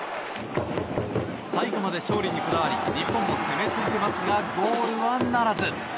最後まで勝利にこだわり日本も攻め続けますがゴールはならず。